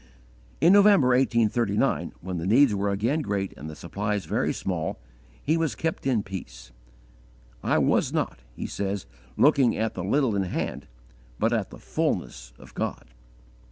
In November, 1839, when the needs were again great and the supplies very small, he was kept in peace: "I was not," he says, "looking at the _little in hand, 'but at the fulness of God."